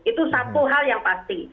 itu satu hal yang pasti